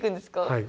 はい。